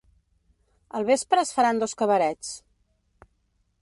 Al vespre es faran dos cabarets.